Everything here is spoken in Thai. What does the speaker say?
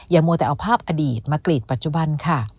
มัวแต่เอาภาพอดีตมากรีดปัจจุบันค่ะ